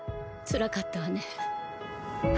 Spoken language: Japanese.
つらかったわね。